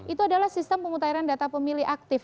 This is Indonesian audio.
itu adalah sistem pemutahiran data pemilih aktif